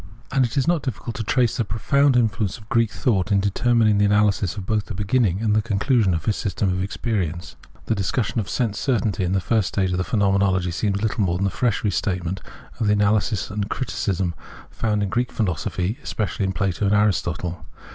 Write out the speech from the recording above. And it is not difficult to trace the profound influence of Greek thought in determin;[ng the analysis of both the beginning and the conclusijon of his system of experience. The discussion of " senbe certainty " in the first stage of the Plienomenology seems little more than a fresh restatement of the analysis and criticism of the nature of aladtjo i?, foiind in Greek philosophy, especially in Plato and Aristotle.